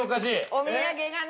お土産がね。